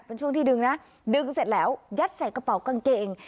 เป็นช่วงที่ดึงนะดึงเสร็จแล้วยัดใส่กระเป๋ากางเกง